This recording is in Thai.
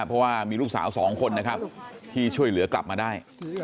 เพราะว่ามีลูกสาวสองคนนะครับที่ช่วยเหลือกลับมาได้